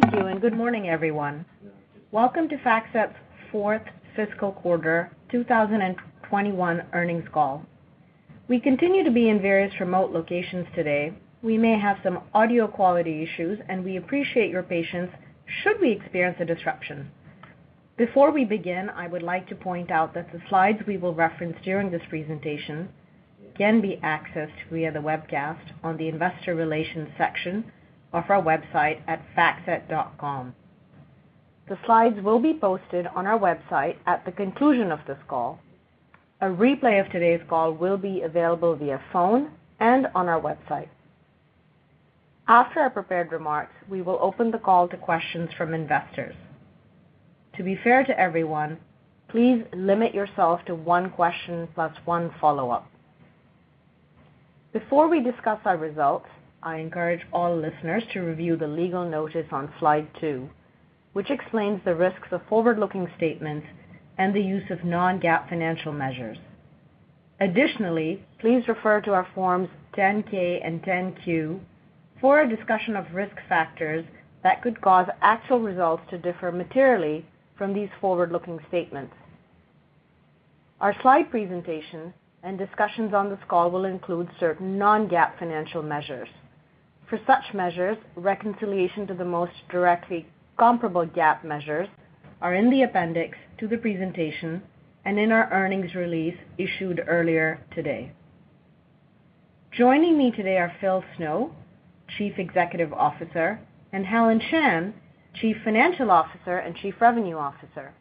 Thank you. Good morning, everyone. Welcome to FactSet's Fourth Fiscal Quarter 2021 Earnings Call. We continue to be in various remote locations today. We may have some audio quality issues. We appreciate your patience should we experience a disruption. Before we begin, I would like to point out that the slides we will reference during this presentation can be accessed via the webcast on the Investor Relations section of our website at factset.com. The slides will be posted on our website at the conclusion of this call. A replay of today's call will be available via phone and on our website. After our prepared remarks, we will open the call to questions from investors. To be fair to everyone, please limit yourself to one question plus one follow-up. Before we discuss our results, I encourage all listeners to review the legal notice on slide two, which explains the risks of forward-looking statements and the use of non-GAAP financial measures. Additionally, please refer to our Forms 10-K and 10-Q for a discussion of risk factors that could cause actual results to differ materially from these forward-looking statements. Our slide presentation, and discussions on this call will include certain non-GAAP financial measures. For such measures, reconciliation to the most directly comparable GAAP measures are in the appendix to the presentation, and in our earnings release issued earlier today. Joining me today are Phil Snow, Chief Executive Officer, and Helen Shan, Chief Financial Officer and Chief Revenue Officer.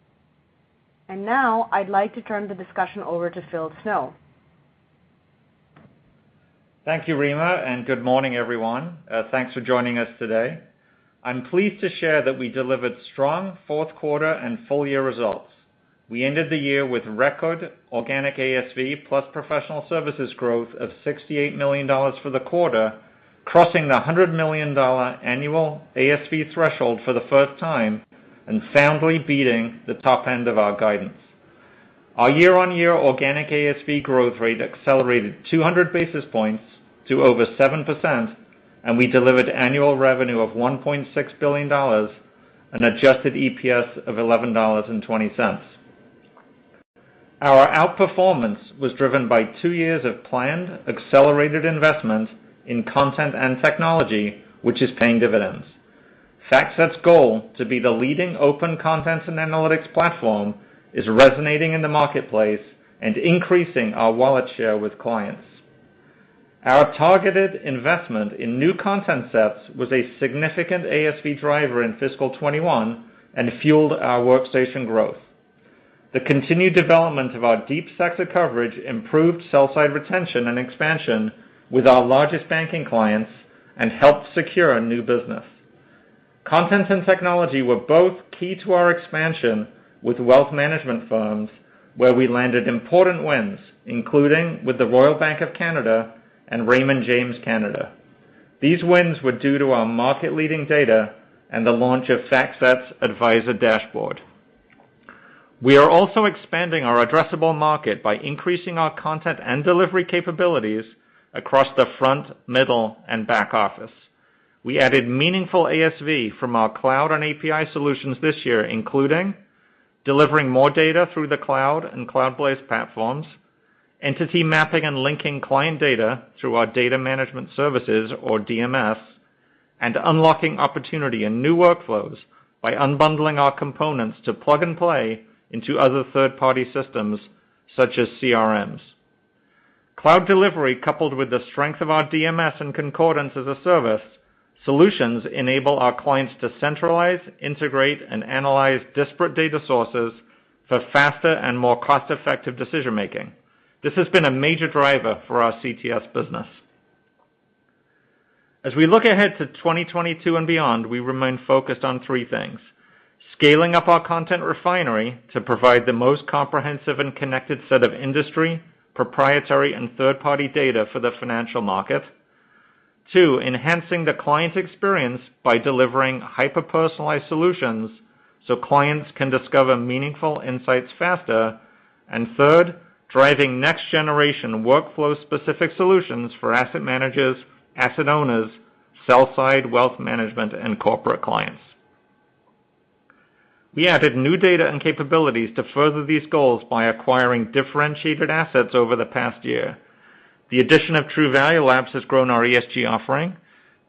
Now I'd like to turn the discussion over to Phil Snow. Thank you, Rima, and good morning, everyone. Thanks for joining us today. I'm pleased to share that we delivered strong fourth quarter and full-year results. We ended the year with record organic ASV plus professional services growth of $68 million for the quarter, crossing the $100 million annual ASV threshold for the first time, and soundly beating the top end of our guidance. Our year-on-year organic ASV growth rate accelerated 200 basis points to over 7%. We delivered annual revenue of $1.6 billion, and adjusted EPS of $11.20. Our outperformance was driven by two years of planned, accelerated investment in content and technology, which is paying dividends. FactSet's goal to be the leading open content and analytics platform is resonating in the marketplace and increasing our wallet share with clients. Our targeted investment in new content sets was a significant ASV driver in fiscal 2021 and fueled our workstation growth. The continued development of our deep sector coverage improved sell-side retention, and expansion with our largest banking clients and helped secure new business. Content and technology were both key to our expansion with wealth management firms, where we landed important wins, including with the Royal Bank of Canada and Raymond James Canada. These wins were due to our market-leading data and the launch of FactSet Advisor Dashboard. We are also expanding our addressable market by increasing our content and delivery capabilities across the front, middle, and back office. We added meaningful ASV from our cloud and API solutions this year, including delivering more data through the cloud and cloud-based platforms, entity mapping, and linking client data through our Data Management Solutions or DMS, and unlocking opportunity and new workflows by unbundling our components to plug and play into other third-party systems such as CRMs. Cloud delivery, coupled with the strength of our DMS and Concordance as a service solutions enable our clients to centralize, integrate, and analyze disparate data sources for faster and more cost-effective decision-making. This has been a major driver for our CTS business. As we look ahead to 2022 and beyond, we remain focused on three things. Scaling up our content refinery to provide the most comprehensive and connected set of industry, proprietary, and third-party data for the financial market. Two, enhancing the client experience by delivering hyper-personalized solutions so clients can discover meaningful insights faster. Third, driving next-generation workflow-specific solutions for asset managers, asset owners, sell-side wealth management, and corporate clients. We added new data and capabilities to further these goals by acquiring differentiated assets over the past year. The addition of Truvalue Labs has grown our ESG offering.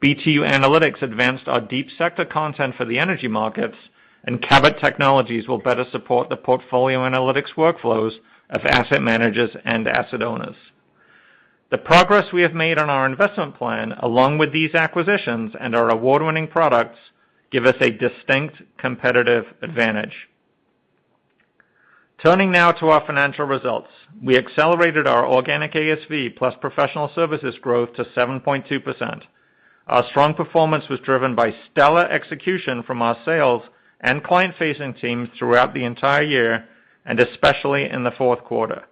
BTU Analytics advanced our deep sector content for the energy markets, and Cobalt Technologies will better support the portfolio analytics workflows of asset managers and asset owners. The progress we have made on our investment plan, along with these acquisitions and our award-winning products, give us a distinct competitive advantage. Turning now to our financial results. We accelerated our organic ASV plus professional services growth to 7.2%. Our strong performance was driven by stellar execution from our sales and client-facing teams throughout the entire year, and especially in the fourth quarter.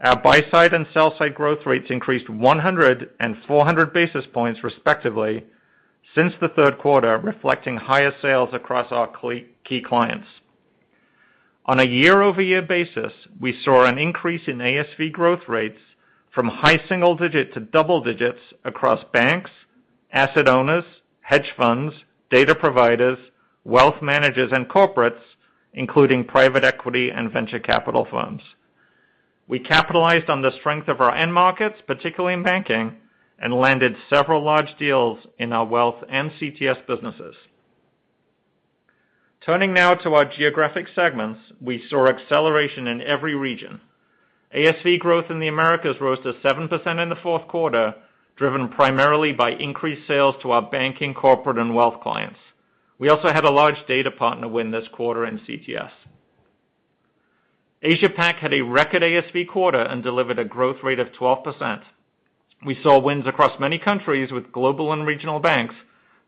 Our buy-side and sell-side growth rates increased 100 and 400 basis points respectively since the third quarter, reflecting higher sales across our key clients. On a year-over-year basis, we saw an increase in ASV growth rates from high single-digit to double-digit across banks, asset owners, hedge funds, data providers, wealth managers, and corporates, including private equity and venture capital firms. We capitalized on the strength of our end markets, particularly in banking, and landed several large deals in our wealth and CTS businesses. Turning now to our geographic segments, we saw acceleration in every region. ASV growth in the Americas rose to 7% in the fourth quarter, driven primarily by increased sales to our banking, corporate, and wealth clients. We also had a large data partner win this quarter in CTS. Asia-Pac had a record ASV quarter and delivered a growth rate of 12%. We saw wins across many countries with global and regional banks,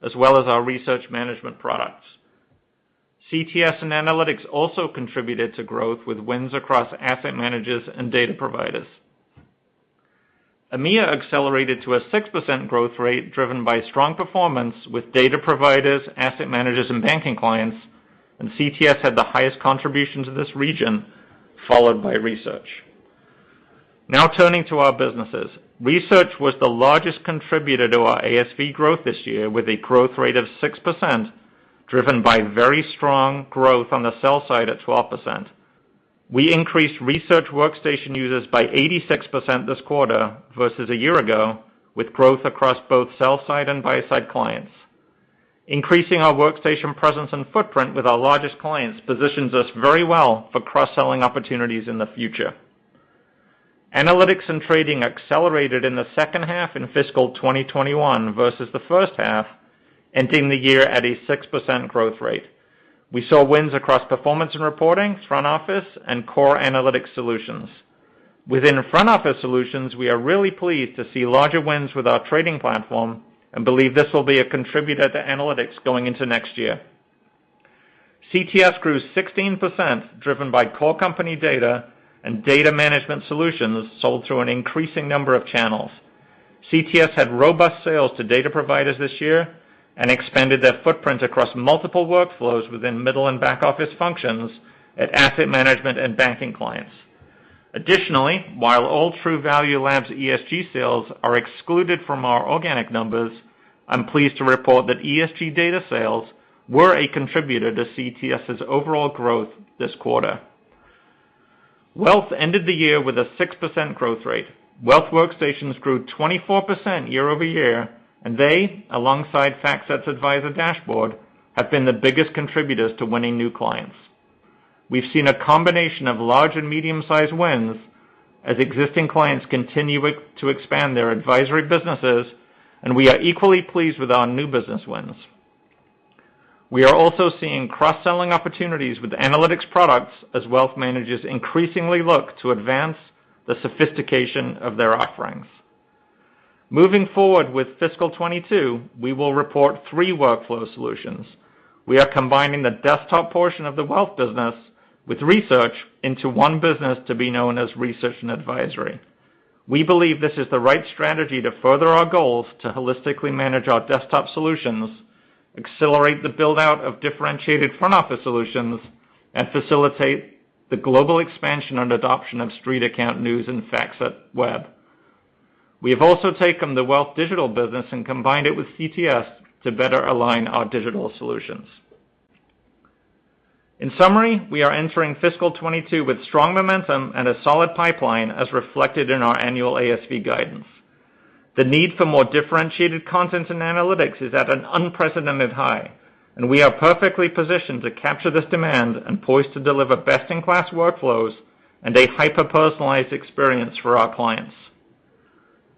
as well as our research management products. CTS and analytics also contributed to growth with wins across asset managers and data providers. EMEA accelerated to a 6% growth rate, driven by strong performance with data providers, asset managers, and banking clients, and CTS had the highest contributions in this region, followed by Research. Now turning to our businesses. Research was the largest contributor to our ASV growth this year, with a growth rate of 6%, driven by very strong growth on the sell side at 12%. We increased research workstation users by 86% this quarter versus a year ago, with growth across both sell-side and buy-side clients. Increasing our workstation presence and footprint with our largest clients positions us very well for cross-selling opportunities in the future. Analytics and trading accelerated in the second half in fiscal 2021 versus the first half, ending the year at a 6% growth rate. We saw wins across performance and reporting, front office, and core analytic solutions. Within front-office solutions, we are really pleased to see larger wins with our trading platform and believe this will be a contributor to analytics going into next year. CTS grew 16%, driven by core company data and Data Management Solutions sold through an increasing number of channels. CTS had robust sales to data providers this year and expanded their footprint across multiple workflows within middle and back-office functions at asset management and banking clients. Additionally, while all Truvalue Labs ESG sales are excluded from our organic numbers, I'm pleased to report that ESG data sales were a contributor to CTS's overall growth this quarter. Wealth ended the year with a 6% growth rate. Wealth workstations grew 24% year-over-year, and they, alongside FactSet's Advisor Dashboard, have been the biggest contributors to winning new clients. We've seen a combination of large and medium-sized wins as existing clients continue to expand their advisory businesses, and we are equally pleased with our new business wins. We are also seeing cross-selling opportunities with analytics products as wealth managers increasingly look to advance the sophistication of their offerings. Moving forward with fiscal 2022, we will report three workflow solutions. We are combining the desktop portion of the wealth business with research into one business to be known as Research & Advisory. We believe this is the right strategy to further our goals to holistically manage our desktop solutions, accelerate the build-out of differentiated front-office solutions, and facilitate the global expansion and adoption of StreetAccount news and FactSet Web. We have also taken the wealth digital business and combined it with CTS to better align our digital solutions. In summary, we are entering fiscal 2022 with strong momentum and a solid pipeline as reflected in our annual ASV guidance. The need for more differentiated content and analytics is at an unprecedented high, and we are perfectly positioned to capture this demand and poised to deliver best-in-class workflows and a hyper-personalized experience for our clients.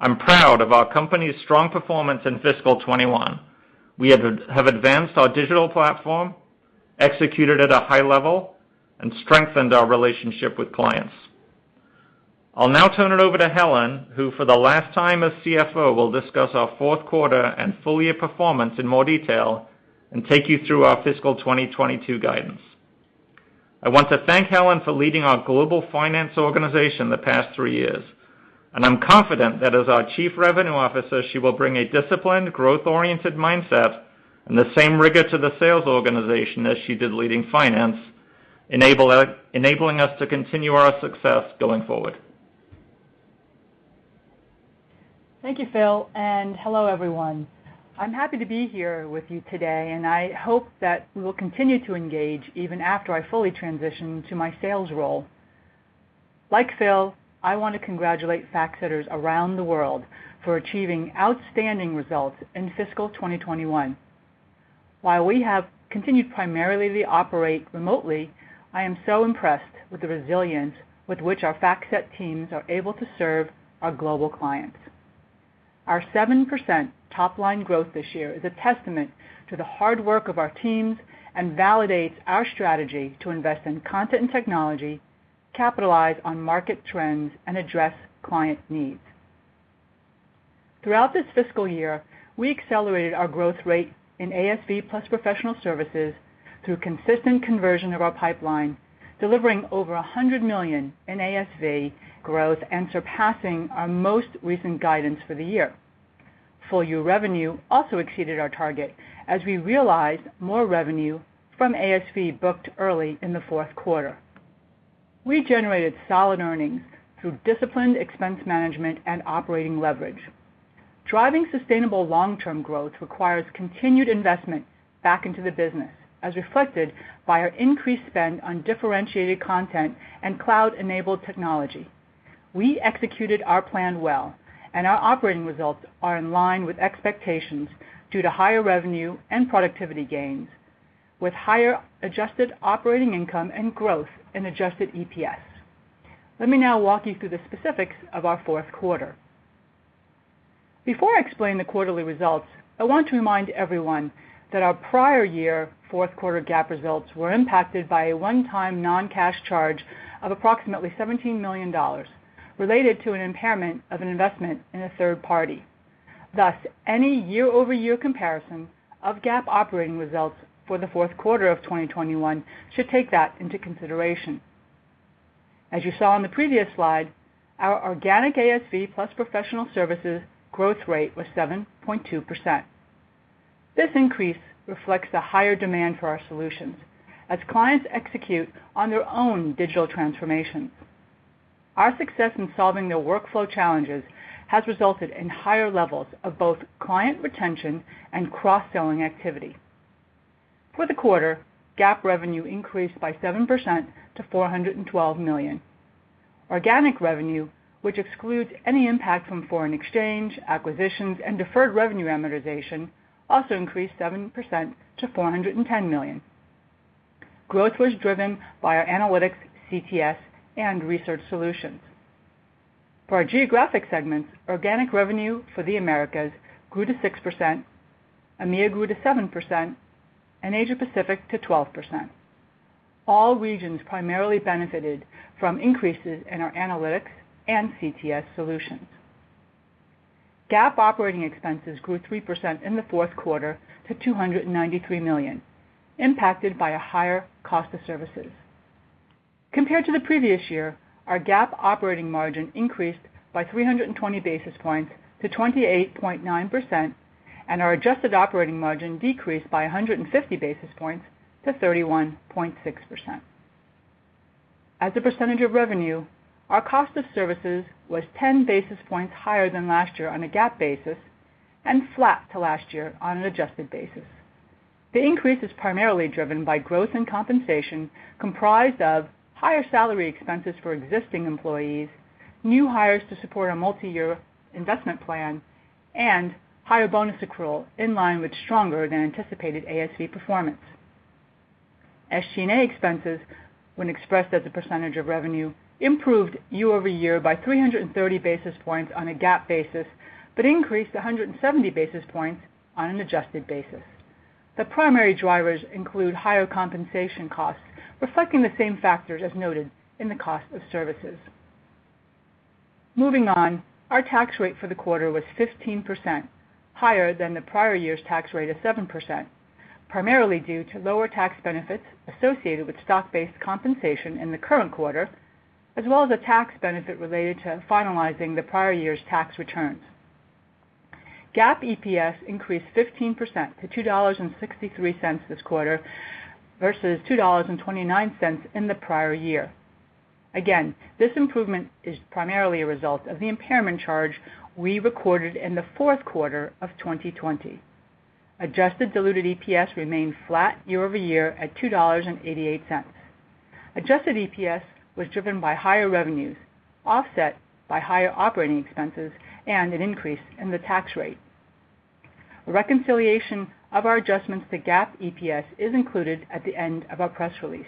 I'm proud of our company's strong performance in fiscal 2021. We have advanced our digital platform, executed at a high level, and strengthened our relationship with clients. I'll now turn it over to Helen, who for the last time as CFO, will discuss our fourth quarter and full-year performance in more detail and take you through our fiscal 2022 guidance. I want to thank Helen for leading our global finance organization the past three years, and I'm confident that as our Chief Revenue Officer, she will bring a disciplined, growth-oriented mindset and the same rigor to the sales organization as she did leading finance, enabling us to continue our success going forward. Thank you, Phil. Hello, everyone. I'm happy to be here with you today. I hope that we will continue to engage even after I fully transition to my sales role. Like Phil, I want to congratulate FactSetters around the world for achieving outstanding results in fiscal 2021. While we have continued primarily to operate remotely, I am so impressed with the resilience with which our FactSet teams are able to serve our global clients. Our 7% top-line growth this year is a testament to the hard work of our teams and validates our strategy to invest in content and technology, capitalize on market trends, and address client needs. Throughout this fiscal year, we accelerated our growth rate in ASV plus professional services through consistent conversion of our pipeline, delivering over $100 million in ASV growth and surpassing our most recent guidance for the year. Full-year revenue also exceeded our target as we realized more revenue from ASV booked early in the fourth quarter. We generated solid earnings through disciplined expense management and operating leverage. Driving sustainable long-term growth requires continued investment back into the business, as reflected by our increased spend on differentiated content and cloud-enabled technology. We executed our plan well, and our operating results are in line with expectations due to higher revenue and productivity gains, with higher adjusted operating income and growth in adjusted EPS. Let me now walk you through the specifics of our fourth quarter. Before I explain the quarterly results, I want to remind everyone that our prior year fourth quarter GAAP results were impacted by a one-time non-cash charge of approximately $17 million related to an impairment of an investment in a third party. Thus, any year-over-year comparison of GAAP operating results for the fourth quarter of 2021 should take that into consideration. As you saw on the previous slide, our organic ASV plus professional services growth rate was 7.2%. This increase reflects the higher demand for our solutions as clients execute on their own digital transformations. Our success in solving their workflow challenges has resulted in higher levels of both client retention and cross-selling activity. For the quarter, GAAP revenue increased by 7% to $412 million. Organic revenue, which excludes any impact from foreign exchange, acquisitions, and deferred revenue amortization, also increased 7% to $410 million. Growth was driven by our analytics, CTS, and research solutions. For our geographic segments, organic revenue for the Americas grew to 6%, EMEA grew to 7%, and Asia Pacific to 12%. All regions primarily benefited from increases in our analytics and CTS solutions. GAAP operating expenses grew 3% in the fourth quarter to $293 million, impacted by a higher cost of services. Compared to the previous year, our GAAP operating margin increased by 320 basis points to 28.9%, and our adjusted operating margin decreased by 150 basis points to 31.6%. As a percentage of revenue, our cost of services was 10 basis points higher than last year on a GAAP basis and flat to last year on an adjusted basis. The increase is primarily driven by growth in compensation comprised of higher salary expenses for existing employees, new hires to support our multi-year investment plan, and higher bonus accrual in line with stronger than anticipated ASV performance. SG&A expenses, when expressed as a percentage of revenue, improved year-over-year by 330 basis points on a GAAP basis, but increased 170 basis points on an adjusted basis. The primary drivers include higher compensation costs, reflecting the same factors as noted in the cost of services. Moving on, our tax rate for the quarter was 15%, higher than the prior year's tax rate of 7%, primarily due to lower tax benefits associated with stock-based compensation in the current quarter, as well as a tax benefit related to finalizing the prior year's tax returns. GAAP EPS increased 15% to $2.63 this quarter versus $2.29 in the prior year. Again, this improvement is primarily a result of the impairment charge we recorded in the fourth quarter of 2020. Adjusted diluted EPS remained flat year-over-year at $2.88. Adjusted EPS was driven by higher revenues, offset by higher operating expenses and an increase in the tax rate. A reconciliation of our adjustments to GAAP EPS is included at the end of our press release.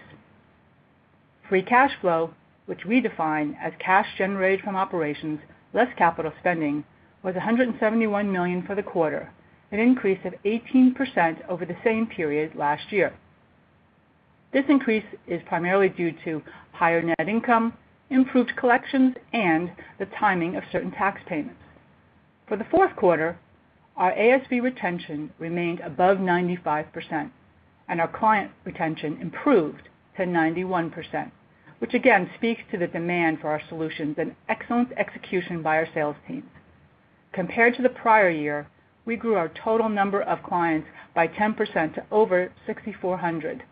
Free cash flow, which we define as cash generated from operations less capital spending, was $171 million for the quarter, an increase of 18% over the same period last year. This increase is primarily due to higher net income, improved collections, and the timing of certain tax payments. For the fourth quarter, our ASV retention remained above 95%, and our client retention improved to 91%, which again speaks to the demand for our solutions and excellent execution by our sales teams. Compared to the prior year, we grew our total number of clients by 10% to over 6,400,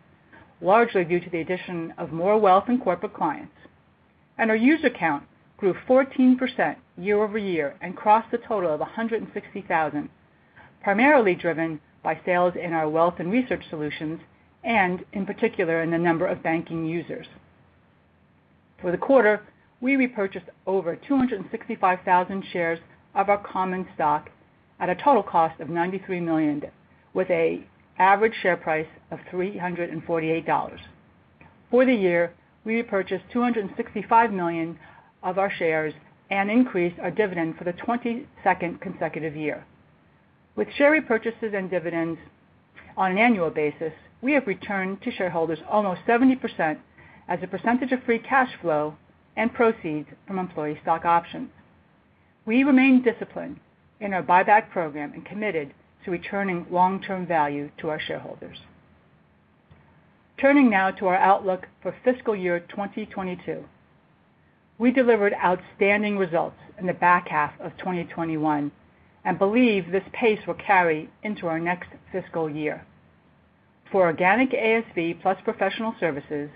largely due to the addition of more wealth and corporate clients. Our user count grew 14% year-over-year and crossed a total of 160,000, primarily driven by sales in our wealth and Research solutions and, in particular, in the number of banking users. For the quarter, we repurchased over 265,000 shares of our common stock at a total cost of $93 million, with an average share price of $348. For the year, we repurchased 265 million of our shares and increased our dividend for the 22nd consecutive year. With share repurchases and dividends on an annual basis, we have returned to shareholders almost 70% as a percentage of free cash flow and proceeds from employee stock options. We remain disciplined in our buyback program and committed to returning long-term value to our shareholders. Turning now to our outlook for fiscal year 2022. We delivered outstanding results in the back half of 2021 and believe this pace will carry into our next fiscal year. For organic ASV plus professional services,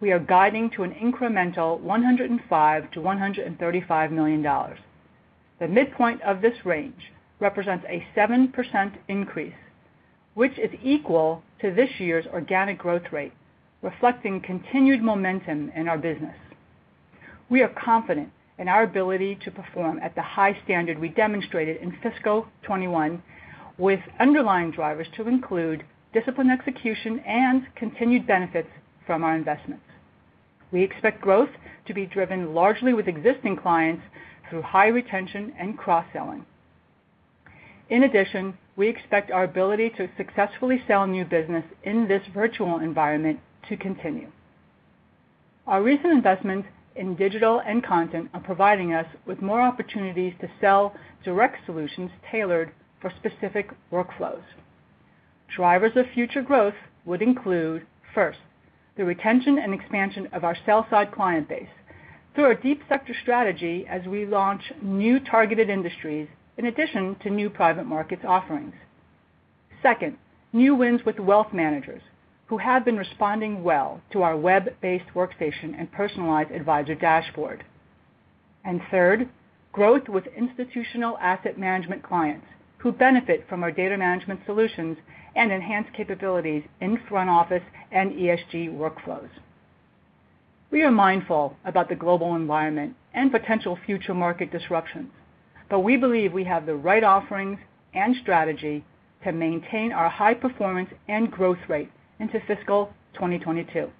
we are guiding to an incremental $105 million-$135 million. The midpoint of this range represents a 7% increase, which is equal to this year's organic growth rate, reflecting continued momentum in our business. We are confident in our ability to perform at the high standard we demonstrated in fiscal 2021, with underlying drivers to include disciplined execution and continued benefits from our investments. We expect growth to be driven largely with existing clients through high retention and cross-selling. In addition, we expect our ability to successfully sell new business in this virtual environment to continue. Our recent investments in digital and content are providing us with more opportunities to sell direct solutions tailored for specific workflows. Drivers of future growth would include, first, the retention and expansion of our sell-side client base through our deep sector strategy as we launch new targeted industries, in addition to new private markets offerings. Second, new wins with wealth managers who have been responding well to our web-based workstation and personalized FactSet Advisor Dashboard. Third, growth with institutional asset management clients who benefit from our Data Management Solutions and enhanced capabilities in front office and ESG workflows. We are mindful about the global environment and potential future market disruptions, but we believe we have the right offerings and strategy to maintain our high performance and growth rate into fiscal 2022.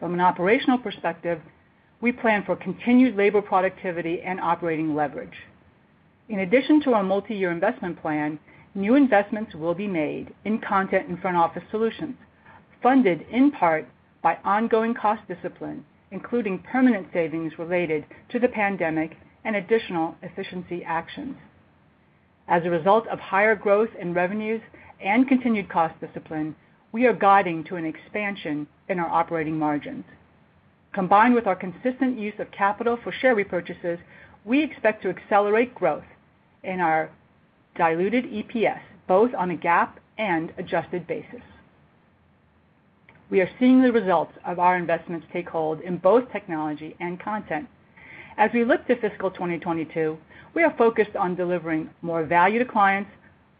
From an operational perspective, we plan for continued labor productivity and operating leverage. In addition to our multi-year investment plan, new investments will be made in content and front-office solutions, funded in part by ongoing cost discipline, including permanent savings related to the pandemic and additional efficiency actions. As a result of higher growth in revenues and continued cost discipline, we are guiding to an expansion in our operating margins. Combined with our consistent use of capital for share repurchases, we expect to accelerate growth in our diluted EPS, both on a GAAP and adjusted basis. We are seeing the results of our investments take hold in both technology and content. As we look to fiscal 2022, we are focused on delivering more value to clients,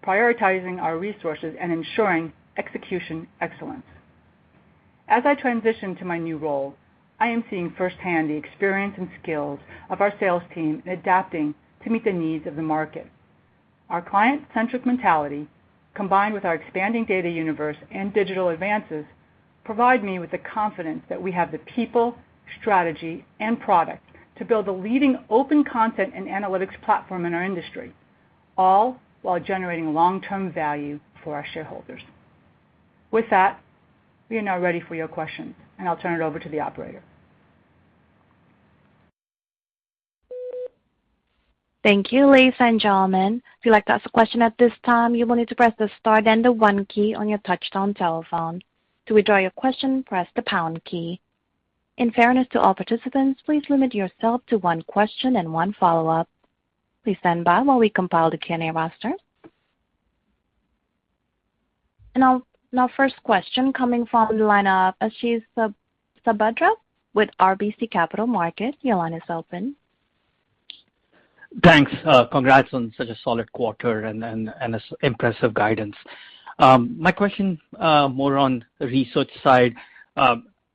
prioritizing our resources, and ensuring execution excellence. As I transition to my new role, I am seeing firsthand the experience and skills of our sales team in adapting to meet the needs of the market. Our client-centric mentality, combined with our expanding data universe and digital advances, provide me with the confidence that we have the people, strategy, and product to build a leading open content and analytics platform in our industry, all while generating long-term value for our shareholders. With that, we are now ready for your questions, and I'll turn it over to the operator. Thank you, ladies and gentlemen. If you'd like to ask a question at this time, you will need to press the star then the one key on your touch-tone telephone. To withdraw your question, press the pound key. In fairness to all participants, please limit yourself to one question and one follow-up. Please stand by while we compile the Q&A roster. Our first question coming from the line of Ashish Sabadra with RBC Capital Markets. Your line is open. Thanks. Congrats on such a solid quarter and impressive guidance. My question more on the research side.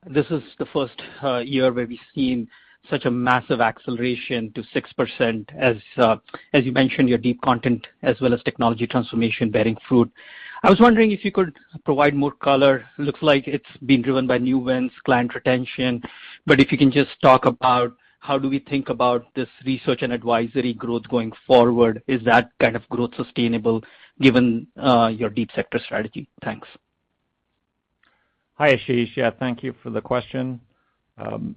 This is the first year where we've seen such a massive acceleration to 6%. As you mentioned, your deep content as well as technology transformation bearing fruit. I was wondering if you could provide more color. Looks like it's being driven by new wins, client retention. If you can just talk about how do we think about this Research & Advisory growth going forward? Is that kind of growth sustainable given your deep sector strategy? Thanks. Hi, Ashish. Yeah, thank you for the question.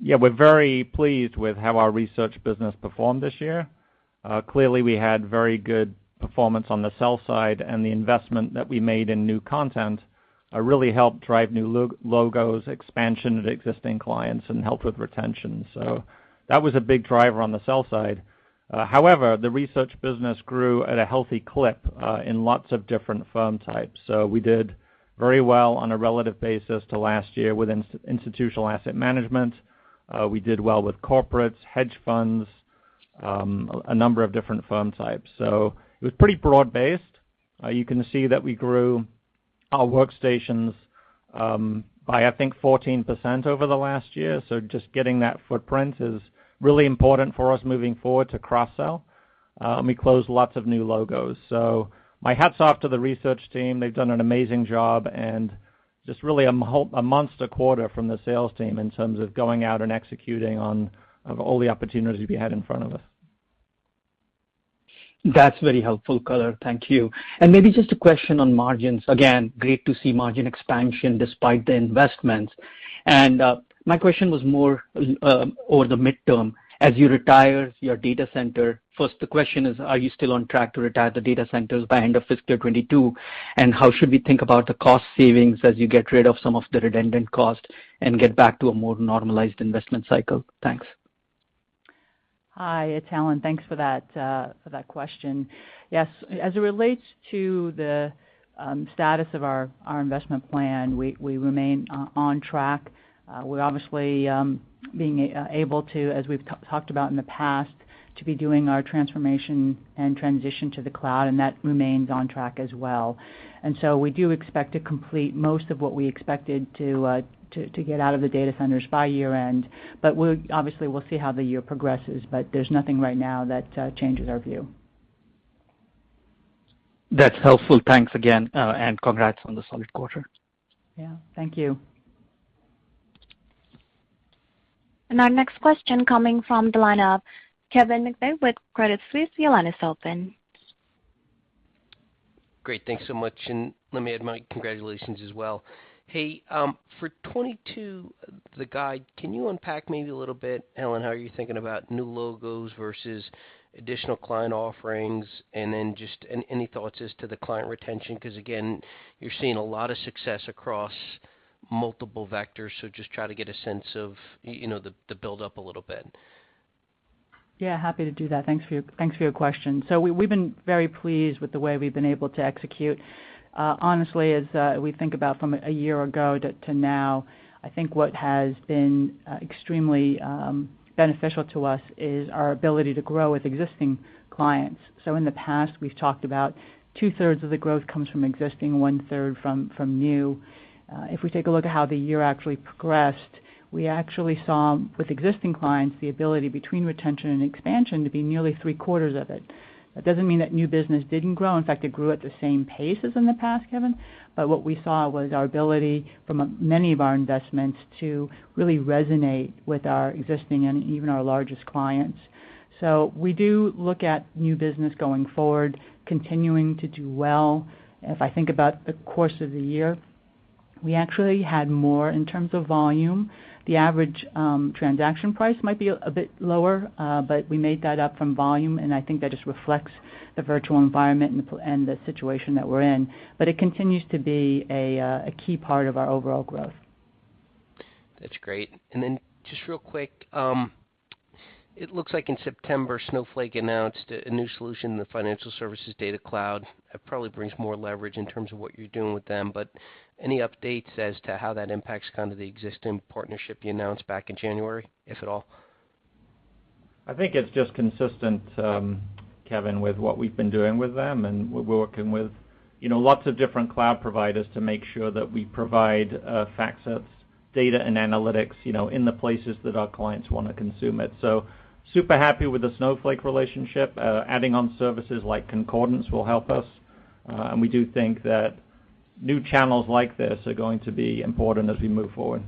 Yeah, we're very pleased with how our Research & Advisory business performed this year. Clearly, we had very good performance on the sell side, and the investment that we made in new content really helped drive new logos, expansion of existing clients, and helped with retention. That was a big driver on the sell side. However, the Research & Advisory business grew at a healthy clip in lots of different firm types. We did very well on a relative basis to last year with institutional asset management. We did well with corporates, hedge funds, a number of different firm types. It was pretty broad-based. You can see that we grew our workstations by, I think, 14% over the last year. Just getting that footprint is really important for us moving forward to cross-sell. We closed lots of new logos. My hat's off to the research team. They've done an amazing job, and just really a monster quarter from the sales team in terms of going out and executing on all the opportunities we had in front of us. That's very helpful color. Thank you. Maybe just a question on margins. Again, great to see margin expansion despite the investments. My question was more over the midterm as you retire your data center. First, the question is, are you still on track to retire the data centers by end of fiscal 2022? How should we think about the cost savings as you get rid of some of the redundant costs and get back to a more normalized investment cycle? Thanks. Hi, it's Helen. Thanks for that question. As it relates to the status of our investment plan, we remain on track. We're obviously being able to, as we've talked about in the past, to be doing our transformation and transition to the cloud, that remains on track as well. We do expect to complete most of what we expected to get out of the data centers by year-end. Obviously, we'll see how the year progresses, there's nothing right now that changes our view. That's helpful. Thanks again, and congrats on the solid quarter. Yeah. Thank you. Our next question coming from the line of Kevin McVeigh with Credit Suisse. Your line is open. Great. Thanks so much. Let me add my congratulations as well. Hey, for 2022, the guide, can you unpack maybe a little bit, Helen Shan, how you're thinking about new logos versus additional client offerings? Just any thoughts as to the client retention? Again, you're seeing a lot of success across multiple vectors. Just try to get a sense of the build-up a little bit. Yeah, happy to do that. Thanks for your question. We've been very pleased with the way we've been able to execute. Honestly, as we think about from a year ago to now, I think what has been extremely beneficial to us is our ability to grow with existing clients. In the past, we've talked about 2/3 of the growth comes from existing, 1/3 from new. If we take a look at how the year actually progressed, we actually saw with existing clients, the ability between retention and expansion to be nearly 3/4 of it. That doesn't mean that new business didn't grow. In fact, it grew at the same pace as in the past, Kevin. What we saw was our ability from many of our investments to really resonate with our existing and even our largest clients. We do look at new business going forward, continuing to do well. If I think about the course of the year, we actually had more in terms of volume. The average transaction price might be a bit lower, but we made that up from volume, and I think that just reflects the virtual environment and the situation that we're in. It continues to be a key part of our overall growth. Then just real quick, it looks like in September, Snowflake announced a new solution, the Financial Services Data Cloud. That probably brings more leverage in terms of what you're doing with them, but any updates as to how that impacts kind of the existing partnership you announced back in January, if at all? I think it's just consistent, Kevin, with what we've been doing with them. We're working with lots of different cloud providers to make sure that we provide FactSet's data and analytics in the places that our clients want to consume it. Super happy with the Snowflake relationship. Adding on services like Concordance will help us. We do think that new channels like this are going to be important as we move forward.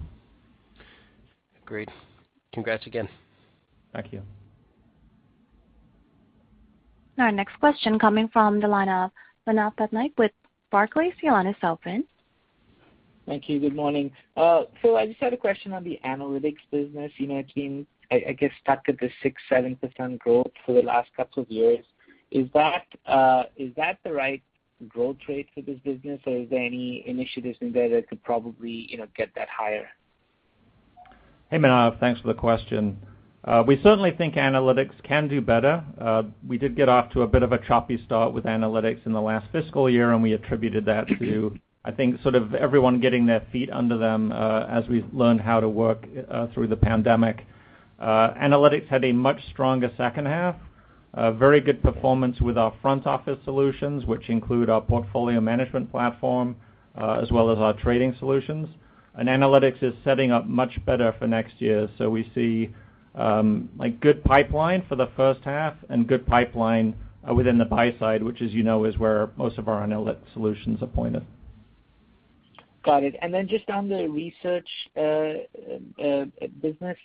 Great. Congrats again. Thank you. Our next question coming from the line of Manav Patnaik with Barclays. Your line is open. Thank you. Good morning. Phil, I just had a question on the analytics business. It's been, I guess, stuck at this 6%, 7% growth for the last couple of years. Is that the right growth rate for this business, or is there any initiatives in there that could probably get that higher? Hey, Manav. Thanks for the question. We certainly think analytics can do better. We did get off to a bit of a choppy start with analytics in the last fiscal year. We attributed that to, I think, sort of everyone getting their feet under them as we learned how to work through the pandemic. Analytics had a much stronger second half. A very good performance with our front office solutions, which include our portfolio management platform, as well as our trading solutions. Analytics is setting up much better for next year. We see a good pipeline for the first half and good pipeline within the buy side, which as you know, is where most of our analytics solutions are pointed. Got it. Just on the research business,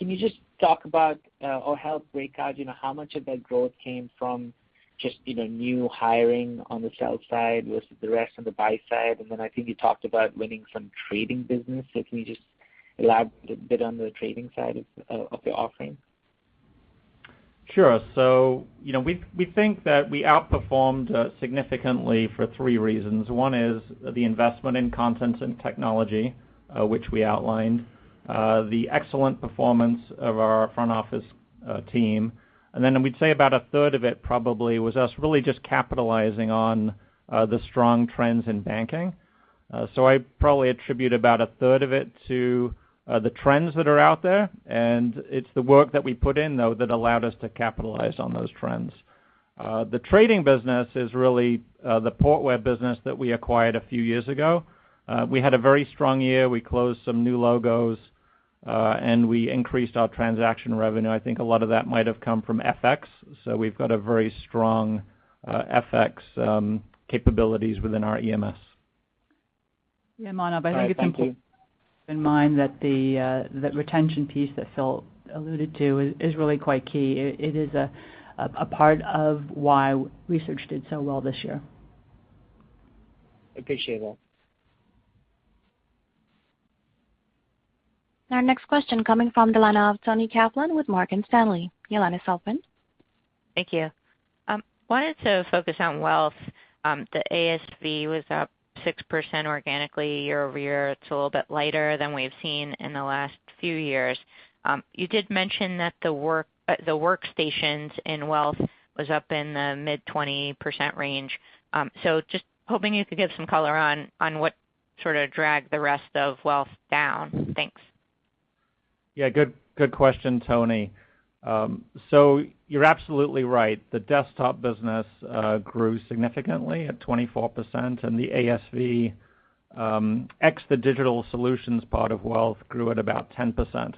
can you just talk about or help break out how much of that growth came from just new hiring on the sell side? Was the rest on the buy side? I think you talked about winning some trading business, so can you just elaborate a bit on the trading side of the offering? Sure. We think that we outperformed significantly for three reasons. One is the investment in content and technology, which we outlined. The excellent performance of our front office team. We'd say about a third of it probably was us really just capitalizing on the strong trends in banking. I'd probably attribute about a third of it to the trends that are out there, and it's the work that we put in, though, that allowed us to capitalize on those trends. The trading business is really the Portware business that we acquired a few years ago. We had a very strong year. We closed some new logos, and we increased our transaction revenue. I think a lot of that might have come from FX. We've got a very strong FX capabilities within our EMS. Yeah, Manav. All right. Thank you important to keep in mind that the retention piece that Phil alluded to is really quite key. It is a part of why Research did so well this year. Appreciate it. Our next question coming from the line of Toni Kaplan with Morgan Stanley. Your line is open. Thank you. Wanted to focus on Wealth. The ASV was up 6% organically year-over-year. It's a little bit lighter than we've seen in the last few years. You did mention that the workstations in Wealth was up in the mid-20% range. Just hoping you could give some color on what sort of dragged the rest of Wealth down. Thanks. Good question, Toni. You're absolutely right. The desktop business grew significantly at 24%, and the ASV, ex the digital solutions part of Wealth, grew at about 10%.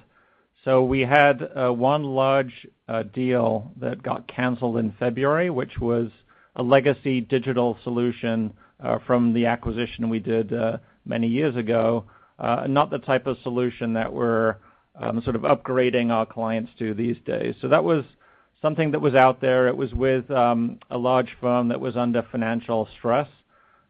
We had one large deal that got canceled in February, which was a legacy digital solution from the acquisition we did many years ago. Not the type of solution that we're sort of upgrading our clients to these days. That was something that was out there. It was with a large firm that was under financial stress,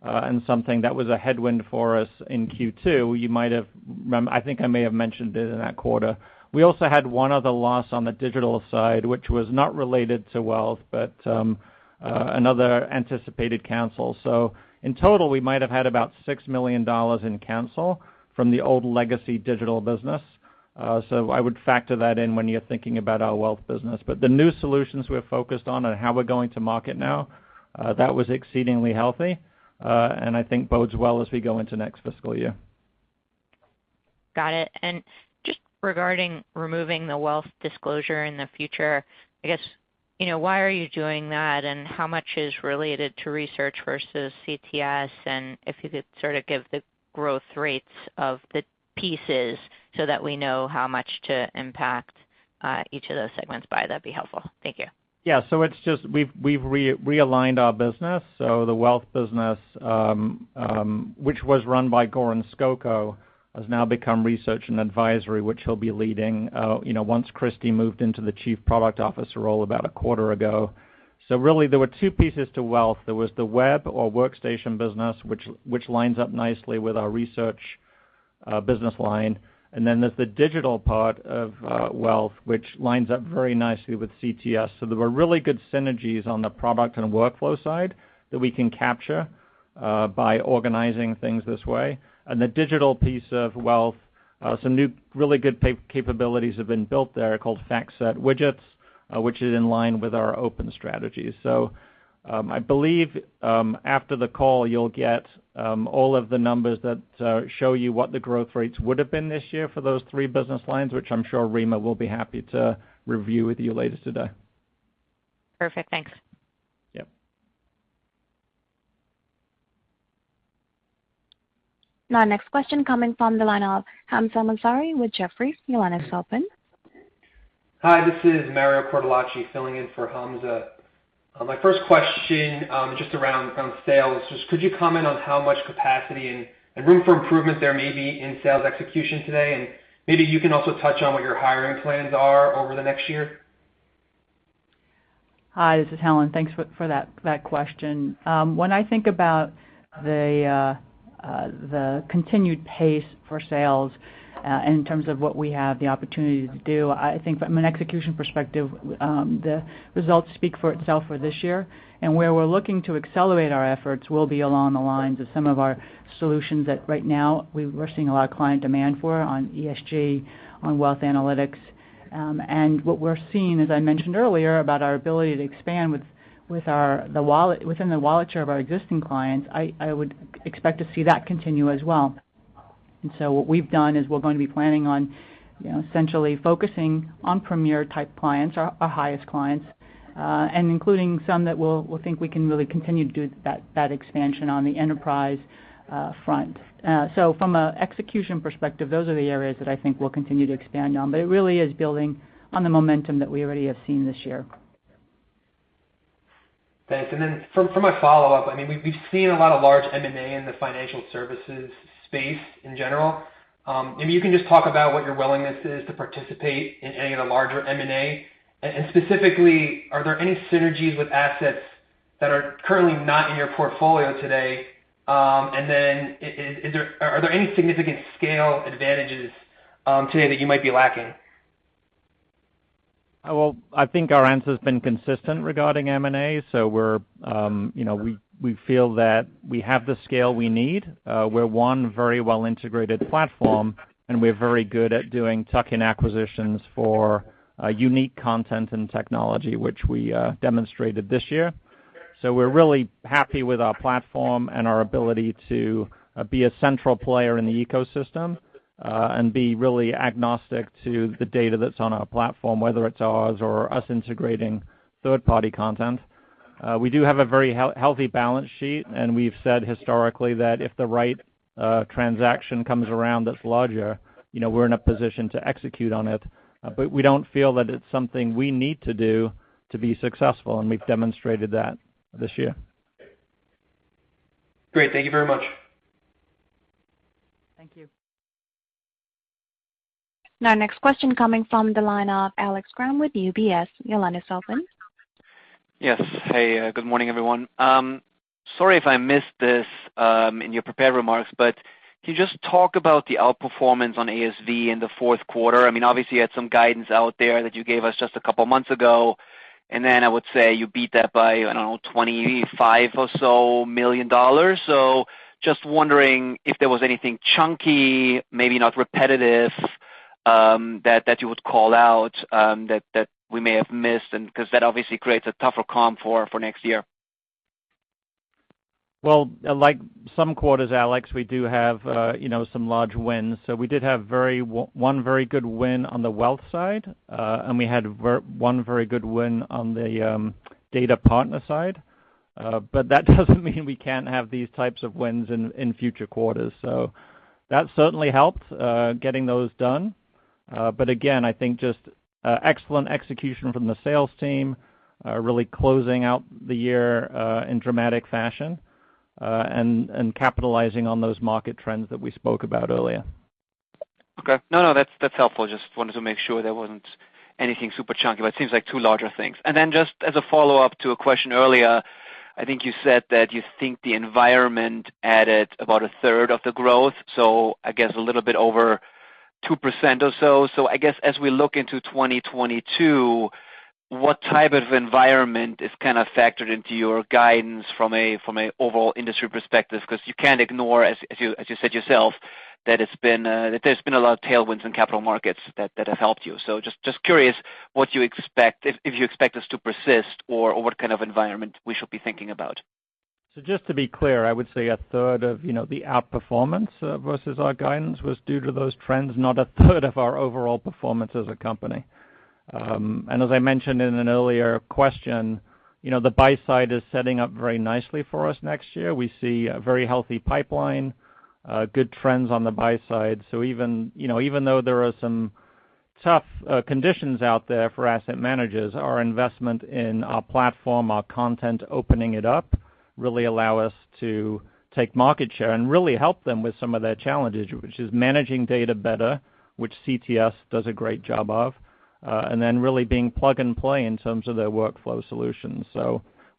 and something that was a headwind for us in Q2. I think I may have mentioned it in that quarter. We also had one other loss on the digital side, which was not related to Wealth, but another anticipated cancel. In total, we might have had about $6 million in cancel from the old legacy digital business. I would factor that in when you're thinking about our Wealth business. The new solutions we're focused on and how we're going to market now, that was exceedingly healthy, and I think bodes well as we go into next fiscal year. Got it. Just regarding removing the Wealth disclosure in the future, I guess, why are you doing that, and how much is related to research versus CTS? If you could sort of give the growth rates of the pieces so that we know how much to impact each of those segments by, that'd be helpful. Thank you. Yeah. It's just we've realigned our business. The Wealth business, which was run by Goran Skoko, has now become Research & Advisory, which he'll be leading once Kristina moved into the Chief Product Officer role about a quarter ago. Really there were two pieces to Wealth. There was the web or workstation business, which lines up nicely with our research business line, and then there's the digital part of Wealth, which lines up very nicely with CTS. There were really good synergies on the product and workflow side that we can capture by organizing things this way. The digital piece of Wealth, some new really good capabilities have been built there called FactSet Widgets, which is in line with our open strategy. I believe after the call, you'll get all of the numbers that show you what the growth rates would've been this year for those three business lines, which I'm sure Rima will be happy to review with you later today. Perfect. Thanks. Yep. Our next question coming from the line of Hamzah Mazari with Jefferies. Your line is open. Hi, this is Mario Cortellacci filling in for Hamza. My first question, just around sales. Just could you comment on how much capacity and room for improvement there may be in sales execution today? Maybe you can also touch on what your hiring plans are over the next year. Hi, this is Helen. Thanks for that question. When I think about the continued pace for sales, in terms of what we have the opportunity to do, I think from an execution perspective, the results speak for itself for this year. Where we're looking to accelerate our efforts will be along the lines of some of our solutions that right now we're seeing a lot of client demand for on ESG, on Wealth analytics. What we're seeing, as I mentioned earlier, about our ability to expand within the wallet share of our existing clients, I would expect to see that continue as well. What we've done is we're going to be planning on essentially focusing on premier type clients, our highest clients, and including some that we'll think we can really continue to do that expansion on the enterprise front. From an execution perspective, those are the areas that I think we'll continue to expand on. It really is building on the momentum that we already have seen this year. Thanks. For my follow-up, we've seen a lot of large M&A in the financial services space in general. Maybe you can just talk about what your willingness is to participate in any of the larger M&A, and specifically, are there any synergies with assets that are currently not in your portfolio today? Are there any significant scale advantages today that you might be lacking? I think our answer's been consistent regarding M&A. We feel that we have the scale we need. We're one very well-integrated platform, and we are very good at doing tuck-in acquisitions for unique content and technology, which we demonstrated this year. We're really happy with our platform and our ability to be a central player in the ecosystem, and be really agnostic to the data that's on our platform, whether it's ours or us integrating third-party content. We do have a very healthy balance sheet, and we've said historically that if the right transaction comes around that's larger, we're in a position to execute on it. We don't feel that it's something we need to do to be successful, and we've demonstrated that this year. Great. Thank you very much. Thank you. Next question coming from the line of Alex Kramm with UBS. Your line is open. Yes. Hey, good morning, everyone. Sorry if I missed this in your prepared remarks, can you just talk about the outperformance on ASV in the fourth quarter? Obviously, you had some guidance out there that you gave us just a couple months ago, and then I would say you beat that by, I don't know, $25 or so million. Just wondering if there was anything chunky, maybe not repetitive, that you would call out that we may have missed, because that obviously creates a tougher comp for next year. Like some quarters, Alex, we do have some large wins. We did have one very good win on the wealth side, and we had one very good win on the data partner side. That doesn't mean we can't have these types of wins in future quarters. That certainly helped, getting those done. Again, I think just excellent execution from the sales team, really closing out the year in dramatic fashion, and capitalizing on those market trends that we spoke about earlier. Okay. No, that's helpful. Just wanted to make sure there wasn't anything super chunky, but it seems like two larger things. Then just as a follow-up to a question earlier, I think you said that you think the environment added about a third of the growth, so I guess a little bit over 2% or so. I guess as we look into 2022, what type of environment is kind of factored into your guidance from a overall industry perspective? You can't ignore, as you said yourself, that there's been a lot of tailwinds in capital markets that have helped you. Just curious what you expect, if you expect this to persist, or what kind of environment we should be thinking about. Just to be clear, I would say a third of the outperformance versus our guidance was due to those trends, not a third of our overall performance as a company. As I mentioned in an earlier question, the buy side is setting up very nicely for us next year. We see a very healthy pipeline, good trends on the buy side. Even though there are some tough conditions out there for asset managers, our investment in our platform, our content, opening it up, really allow us to take market share and really help them with some of their challenges, which is managing data better, which CTS does a great job of, and then really being plug-and-play in terms of their workflow solutions.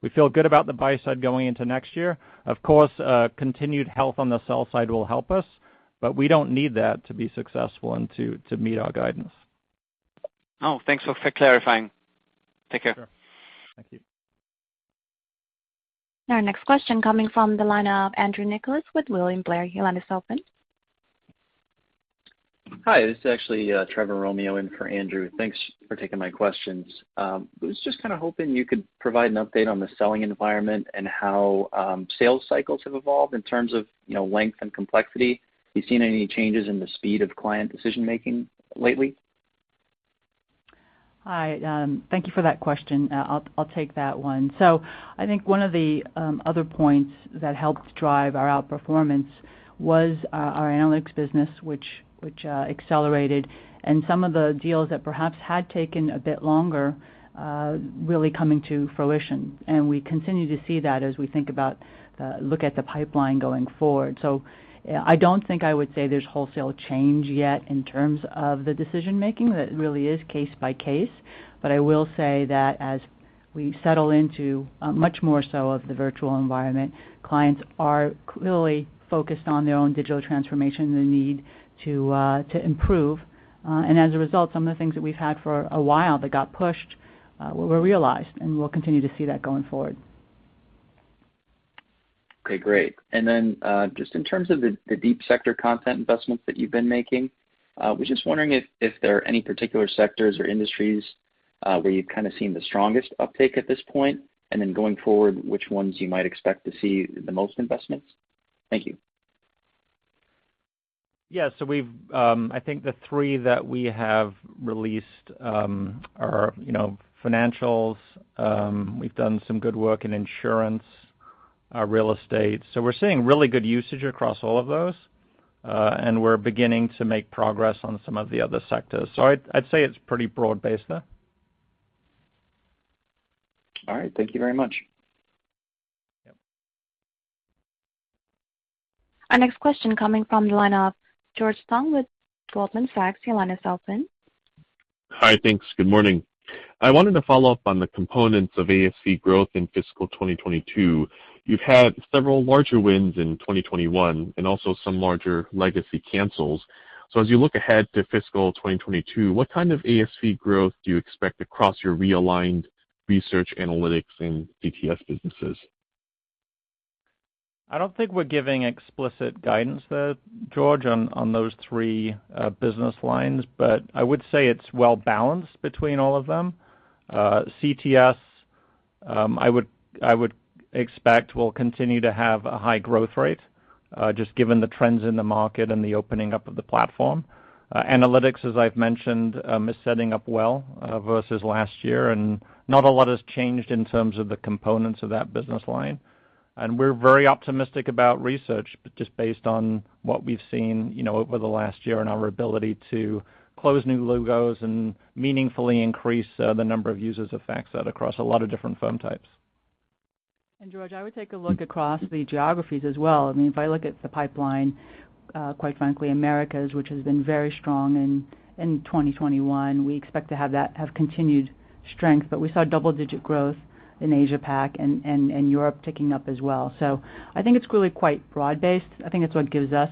We feel good about the buy side going into next year. Of course, continued health on the sell side will help us, but we don't need that to be successful and to meet our guidance. Oh, thanks for clarifying. Take care. Sure. Thank you. Our next question coming from the line of Andrew Nicholas with William Blair. Your line is open. Hi, this is actually Trevor Romeo in for Andrew. Thanks for taking my questions. Was just kind of hoping you could provide an update on the selling environment and how sales cycles have evolved in terms of length and complexity? Have you seen any changes in the speed of client decision-making lately? Hi, thank you for that question. I'll take that one. I think one of the other points that helped drive our outperformance was our analytics business, which accelerated, and some of the deals that perhaps had taken a bit longer really coming to fruition. We continue to see that as we look at the pipeline going forward. I don't think I would say there's wholesale change yet in terms of the decision-making. That really is case by case. I will say that as we settle into much more so of the virtual environment, clients are clearly focused on their own digital transformation and the need to improve. As a result, some of the things that we've had for a while that got pushed were realized, and we'll continue to see that going forward. Okay, great. Just in terms of the deep sector content investments that you've been making, was just wondering if there are any particular sectors or industries where you've kind of seen the strongest uptake at this point, and then going forward, which ones you might expect to see the most investments? Thank you. I think the three that we have released are financials. We've done some good work in insurance, real estate. We're seeing really good usage across all of those, and we're beginning to make progress on some of the other sectors. I'd say it's pretty broad-based there. All right. Thank you very much. Yep. Our next question coming from the line of George Tong with Goldman Sachs. Hi, thanks. Good morning. I wanted to follow up on the components of ASV growth in fiscal 2022. You've had several larger wins in 2021, and also some larger legacy cancels. As you look ahead to fiscal 2022, what kind of ASV growth do you expect across your realigned research, analytics, and CTS businesses? I don't think we're giving explicit guidance there, George, on those three business lines. I would say it's well-balanced between all of them. CTS, I would expect will continue to have a high growth rate, just given the trends in the market and the opening up of the platform. Analytics, as I've mentioned, is setting up well versus last year, and not a lot has changed in terms of the components of that business line. We're very optimistic about Research & Advisory, just based on what we've seen over the last year and our ability to close new logos and meaningfully increase the number of users of FactSet across a lot of different firm types. George, I would take a look across the geographies as well. If I look at the pipeline, quite frankly, Americas, which has been very strong in 2021, we expect to have that have continued strength. We saw double-digit growth in Asia-Pac and Europe ticking up as well. I think it's really quite broad-based. I think it's what gives us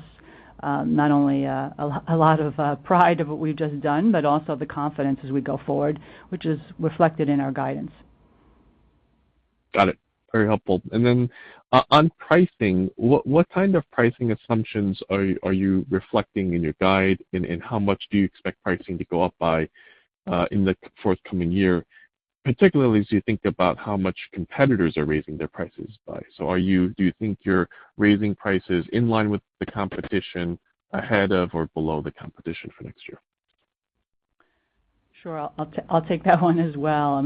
not only a lot of pride of what we've just done, but also the confidence as we go forward, which is reflected in our guidance. Got it. Very helpful. On pricing, what kind of pricing assumptions are you reflecting in your guide, and how much do you expect pricing to go up by in the forthcoming year, particularly as you think about how much competitors are raising their prices by? Do you think you're raising prices in line with the competition, ahead of or below the competition for next year? Sure. I'll take that one as well.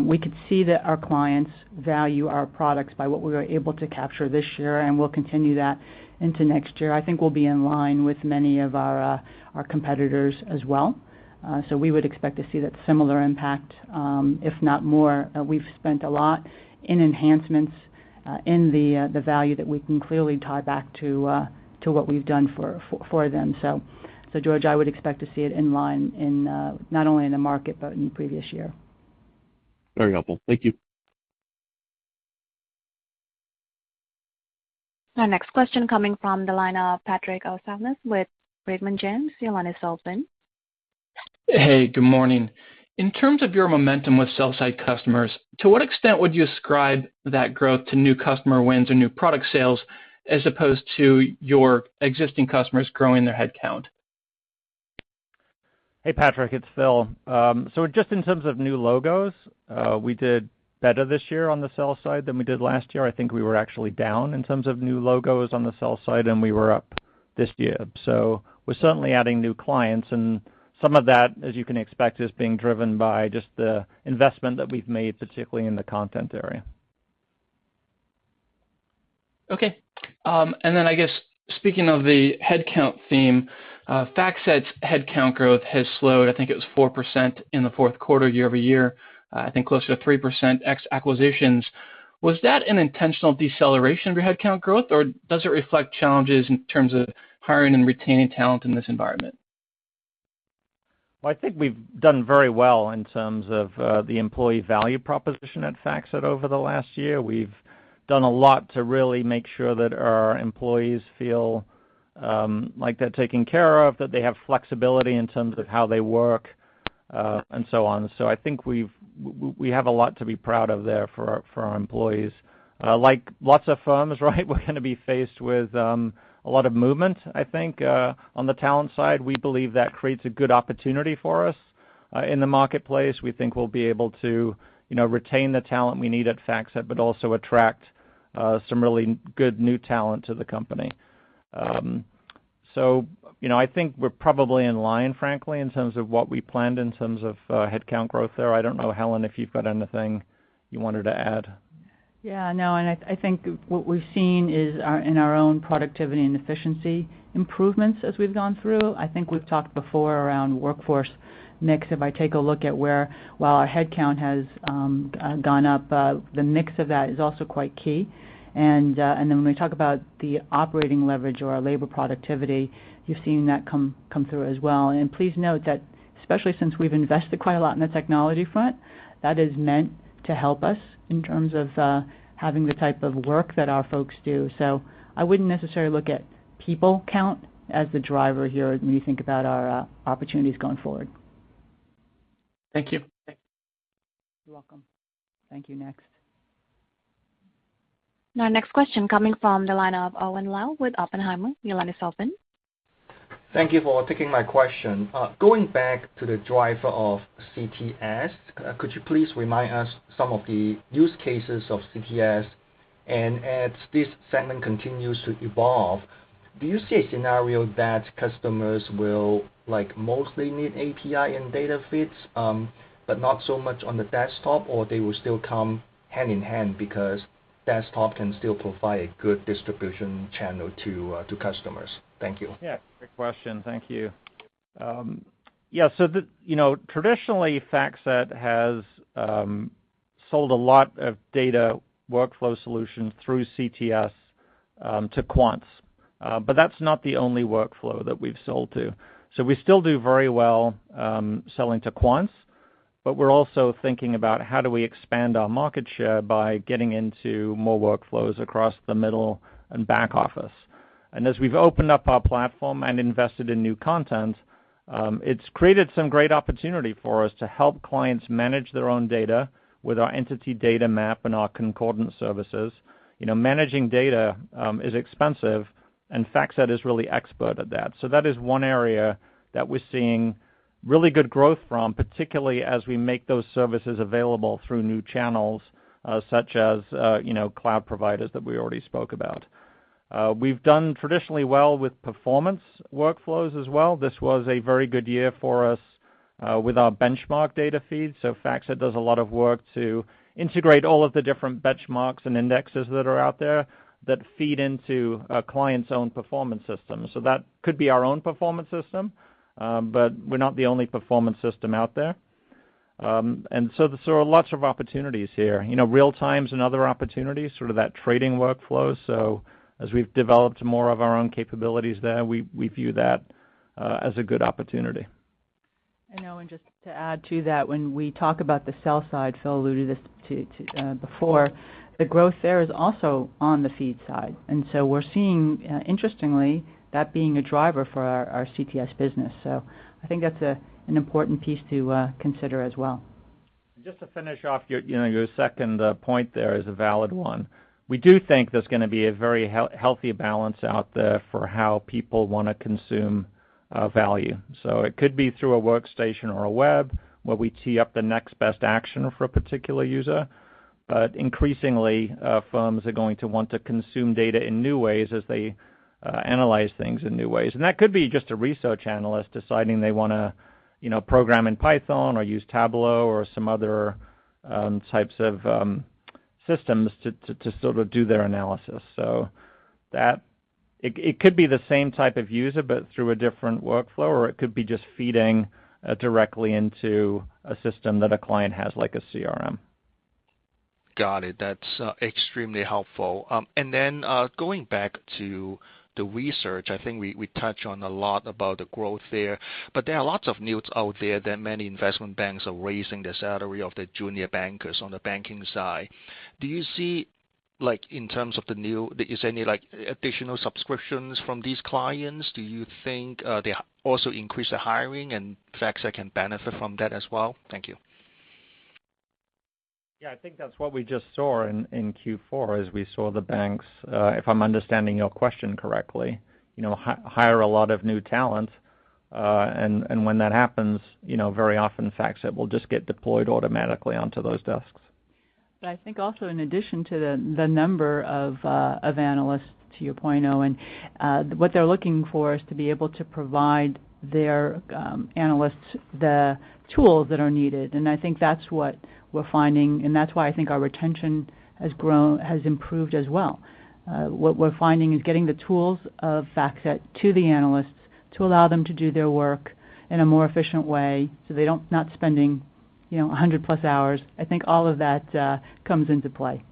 We could see that our clients value our products by what we were able to capture this year, and we'll continue that into next year. I think we'll be in line with many of our competitors as well. We would expect to see that similar impact, if not more. We've spent a lot in enhancements in the value that we can clearly tie back to what we've done for them. George, I would expect to see it in line in not only in the market but in the previous year. Very helpful. Thank you. Our next question coming from the line of Patrick O'Shaughnessy with Raymond James. Your line is open. Hey, good morning. In terms of your momentum with sell-side customers, to what extent would you ascribe that growth to new customer wins or new product sales as opposed to your existing customers growing their headcount? Hey, Patrick, it's Phil. Just in terms of new logos, we did better this year on the sell side than we did last year. I think we were actually down in terms of new logos on the sell side, and we were up this year. We're certainly adding new clients, and some of that, as you can expect, is being driven by just the investment that we've made, particularly in the content area. Okay. I guess speaking of the headcount theme, FactSet's headcount growth has slowed. I think it was 4% in the fourth quarter year-over-year. I think closer to 3% ex-acquisitions. Was that an intentional deceleration of your headcount growth, or does it reflect challenges in terms of hiring and retaining talent in this environment? I think we've done very well in terms of the employee value proposition at FactSet over the last year. We've done a lot to really make sure that our employees feel like they're taken care of, that they have flexibility in terms of how they work, and so on. I think we have a lot to be proud of there for our employees. Like lots of firms, we're going to be faced with a lot of movement, I think, on the talent side. We believe that creates a good opportunity for us in the marketplace. We think we'll be able to retain the talent we need at FactSet, but also attract some really good new talent to the company. I think we're probably in line, frankly, in terms of what we planned in terms of headcount growth there. I don't know, Helen, if you've got anything you wanted to add? Yeah, no, I think what we've seen is in our own productivity and efficiency improvements as we've gone through. I think we've talked before around workforce mix. If I take a look at where while our headcount has gone up, the mix of that is also quite key. When we talk about the operating leverage or our labor productivity, you're seeing that come through as well. Please note that especially since we've invested quite a lot in the technology front, that is meant to help us in terms of having the type of work that our folks do. I wouldn't necessarily look at people count as the driver here when you think about our opportunities going forward. Thank you. You're welcome. Thank you. Next. Our next question coming from the line of Owen Lau with Oppenheimer. Your line is open. Thank you for taking my question. Going back to the driver of CTS, could you please remind us some of the use cases of CTS? As this segment continues to evolve, do you see a scenario that customers will mostly need API and data feeds, but not so much on the desktop, or they will still come hand in hand because desktop can still provide good distribution channel to customers? Thank you. Great question. Thank you. Traditionally, FactSet has sold a lot of data workflow solutions through CTS to quants. That's not the only workflow that we've sold to. We still do very well selling to quants, but we're also thinking about how do we expand our market share by getting into more workflows across the middle and back office. As we've opened up our platform and invested in new content, it's created some great opportunity for us to help clients manage their own data with our entity data map and our Concordance services. Managing data is expensive, and FactSet is really expert at that. That is one area that we're seeing really good growth from, particularly as we make those services available through new channels, such as cloud providers that we already spoke about. We've done traditionally well with performance workflows as well. This was a very good year for us with our benchmark data feed. FactSet does a lot of work to integrate all of the different benchmarks and indexes that are out there that feed into a client's own performance system. That could be our own performance system, but we're not the only performance system out there. There are lots of opportunities here. Real-time is another opportunity, sort of that trading workflow. As we've developed more of our own capabilities there, we view that as a good opportunity. I know, just to add to that, when we talk about the sell side, Phil alluded this before, the growth there is also on the feed side. We're seeing, interestingly, that being a driver for our CTS business. I think that's an important piece to consider as well. Just to finish off, your second point there is a valid one. We do think there's going to be a very healthy balance out there for how people want to consume value. It could be through a workstation or a web, where we tee up the next best action for a particular user. Increasingly, firms are going to want to consume data in new ways as they analyze things in new ways. That could be just a research analyst deciding they want to program in Python or use Tableau or some other types of systems to sort of do their analysis. It could be the same type of user, but through a different workflow, or it could be just feeding directly into a system that a client has, like a CRM. Got it. That's extremely helpful. Going back to the research, I think we touched on a lot about the growth there, but there are lots of news out there that many investment banks are raising the salary of their junior bankers on the banking side. Do you see, like in terms of any additional subscriptions from these clients? Do you think they also increase the hiring and FactSet can benefit from that as well? Thank you. Yeah, I think that's what we just saw in Q4, is we saw the banks, if I'm understanding your question correctly, hire a lot of new talent. When that happens, very often FactSet will just get deployed automatically onto those desks. I think also in addition to the number of analysts, to your point, Owen, what they're looking for is to be able to provide their analysts the tools that are needed. I think that's what we're finding, and that's why I think our retention has improved as well. What we're finding is getting the tools of FactSet to the analysts to allow them to do their work in a more efficient way so they're not spending 100+ hours. I think all of that comes into play.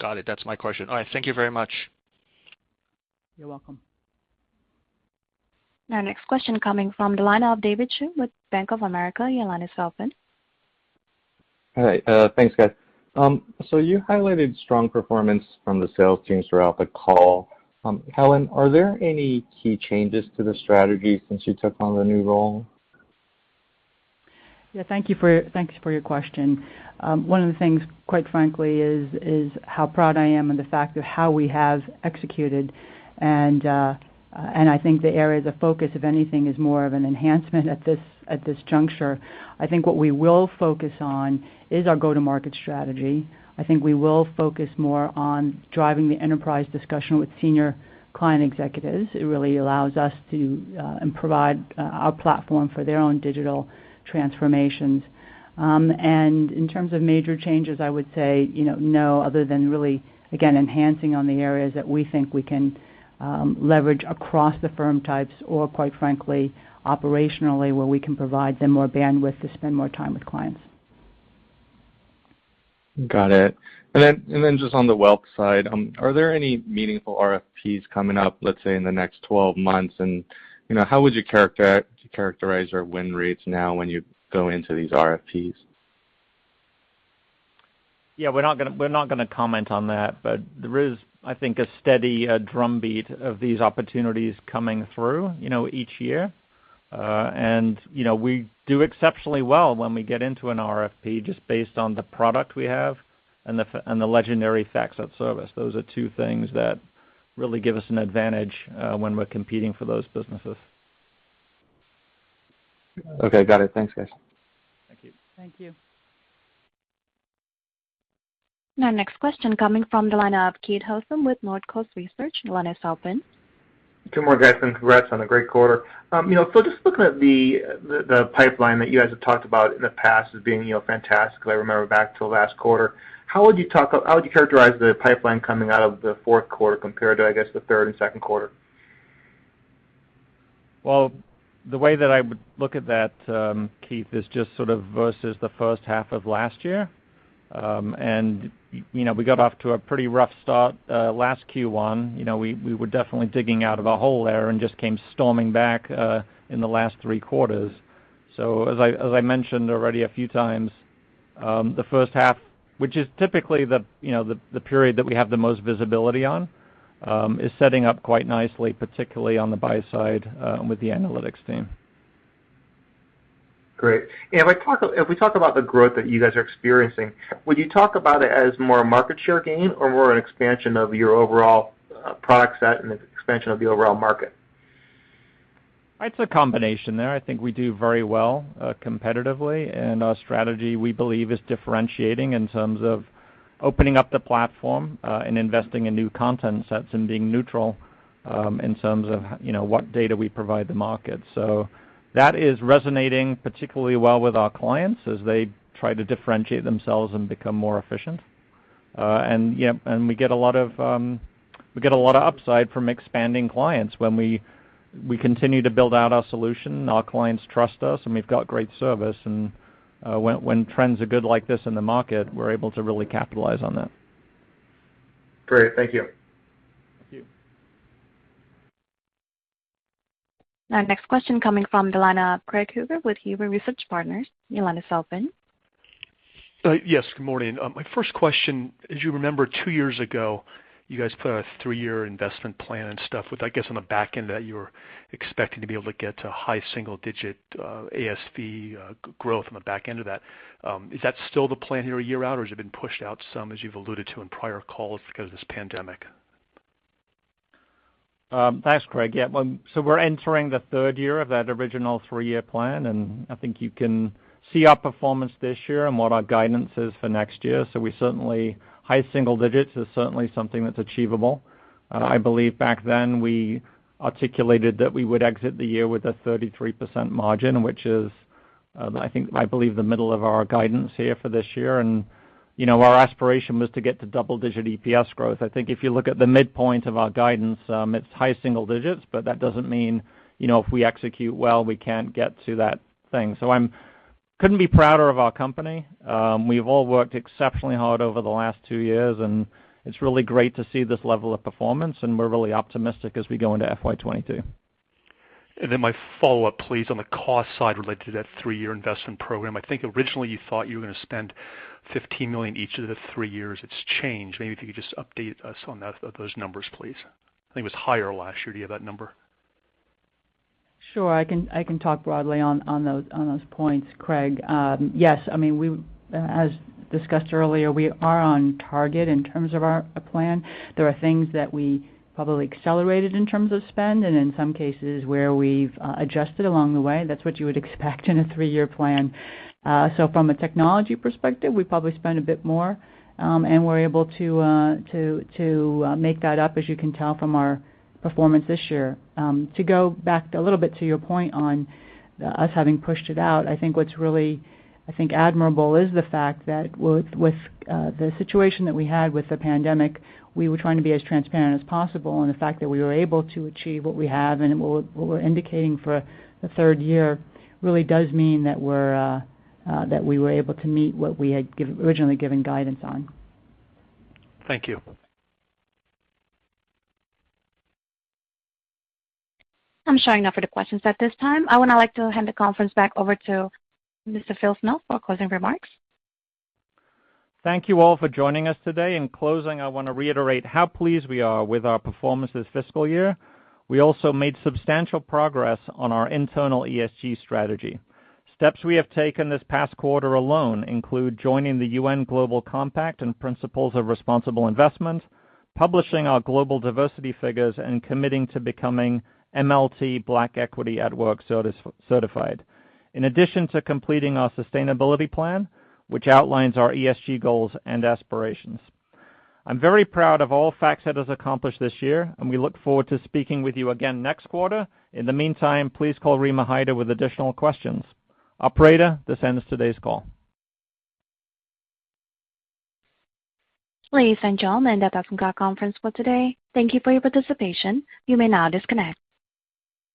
Got it. That's my question. All right. Thank you very much. You're welcome. Now next question coming from the line of David Chu with Bank of America. Your line is open. Hi. Thanks, guys. You highlighted strong performance from the sales teams throughout the call. Helen, are there any key changes to the strategy since you took on the new role? Yeah, thank you for your question. One of the things, quite frankly, is how proud I am in the fact of how we have executed, and I think the area, the focus, if anything, is more of an enhancement at this juncture. I think what we will focus on is our go-to-market strategy. I think we will focus more on driving the enterprise discussion with senior client executives. It really allows us to provide our platform for their own digital transformations. In terms of major changes, I would say no, other than really, again, enhancing on the areas that we think we can leverage across the firm types or quite frankly, operationally, where we can provide them more bandwidth to spend more time with clients. Got it. Just on the wealth side, are there any meaningful RFPs coming up, let's say, in the next 12 months? How would you characterize your win rates now when you go into these RFPs? Yeah, we're not going to comment on that. There is, I think, a steady drumbeat of these opportunities coming through each year. We do exceptionally well when we get into an RFP just based on the product we have and the legendary FactSet service. Those are two things that really give us an advantage when we're competing for those businesses. Okay, got it. Thanks, guys. Thank you. Thank you. Now next question coming from the line of Keith Housum with Northcoast Research. Your line is open. Two more, guys. Congrats on a great quarter. Phil, just looking at the pipeline that you guys have talked about in the past as being fantastic, I remember back to last quarter, how would you characterize the pipeline coming out of the fourth quarter compared to, I guess, the third and second quarter? The way that I would look at that, Keith, is just sort of versus the first half of last year. We got off to a pretty rough start last Q1. We were definitely digging out of a hole there and just came storming back in the last three quarters. As I mentioned already a few times, the first half, which is typically the period that we have the most visibility on, is setting up quite nicely, particularly on the buy side with the analytics team. Great. If we talk about the growth that you guys are experiencing, would you talk about it as more a market share gain or more an expansion of your overall product set and expansion of the overall market? It's a combination there. I think we do very well competitively, and our strategy, we believe, is differentiating in terms of opening up the platform, and investing in new content sets, and being neutral in terms of what data we provide the market. That is resonating particularly well with our clients as they try to differentiate themselves and become more efficient. We get a lot of upside from expanding clients. When we continue to build out our solution, our clients trust us, and we've got great service. When trends are good like this in the market, we're able to really capitalize on that. Great. Thank you. Thank you. Our next question coming from the line of Craig Huber with Huber Research Partners. Your line is open. Yes. Good morning. My first question, as you remember, two years ago, you guys put a three-year investment plan and stuff with, I guess, on the back end that you were expecting to be able to get to high single-digit ASV growth on the back end of that. Is that still the plan here a year out, or has it been pushed out some, as you've alluded to in prior calls because of this pandemic? Thanks, Craig. We're entering the third year of that original three-year plan, and I think you can see our performance this year and what our guidance is for next year. High single digits is certainly something that's achievable. I believe back then we articulated that we would exit the year with a 33% margin, which is, I believe, the middle of our guidance here for this year. Our aspiration was to get to double-digit EPS growth. I think if you look at the midpoint of our guidance, it's high single digits, but that doesn't mean if we execute well, we can't get to that thing. I couldn't be prouder of our company. We've all worked exceptionally hard over the last two years, and it's really great to see this level of performance, and we're really optimistic as we go into FY 2022. My follow-up, please, on the cost side related to that three-year investment program. I think originally you thought you were going to spend $15 million each of the three years. It's changed. Maybe if you could just update us on those numbers, please. I think it was higher last year. Do you have that number? Sure. I can talk broadly on those points, Craig. Yes. As discussed earlier, we are on target in terms of our plan. There are things that we probably accelerated in terms of spend and in some cases where we've adjusted along the way. That's what you would expect in a three-year plan. From a technology perspective, we probably spent a bit more, and we're able to make that up, as you can tell from our performance this year. To go back a little bit to your point on us having pushed it out, I think what's really admirable is the fact that with the situation that we had with the pandemic, we were trying to be as transparent as possible, and the fact that we were able to achieve what we have and what we're indicating for a third year really does mean that we were able to meet what we had originally given guidance on. Thank you. I'm showing no further questions at this time. I would now like to hand the conference back over to Mr. Phil Snow for closing remarks. Thank you all for joining us today. In closing, I want to reiterate how pleased we are with our performance this fiscal year. We also made substantial progress on our internal ESG strategy. Steps we have taken this past quarter alone include joining the UN Global Compact and Principles for Responsible Investment, publishing our global diversity figures, and committing to becoming MLT Black Equity at Work certified, in addition to completing our sustainability plan, which outlines our ESG goals and aspirations. I'm very proud of all FactSet has accomplished this year, and we look forward to speaking with you again next quarter. In the meantime, please call Rima Hyder with additional questions. Operator, this ends today's call. Ladies and gentlemen, that concludes our conference for today. Thank you for your participation. You may now disconnect.